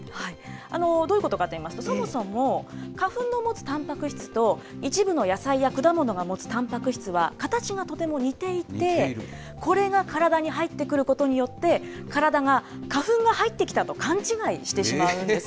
どういうことかといいますと、そもそも、花粉の持つたんぱく質と一部の野菜や果物が持つたんぱく質は、形がとても似ていて、これが体に入ってくることによって、体が花粉が入ってきたと勘違いしてしまうんです。